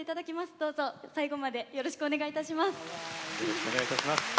どうぞ、最後までよろしくお願いいたします。